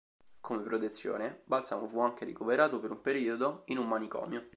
Come protezione, Balsamo fu anche ricoverato per un periodo in un manicomio.